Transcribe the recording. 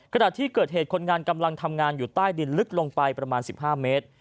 ขณะที่เกิดเหตุคนงานกำลังทำงานอยู่ใต้ดินลึกลงไปประมาณ๑๕เมตร